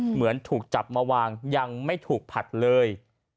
เหมือนถูกจับมาวางยังไม่ถูกผัดเลย